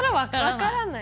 分からない。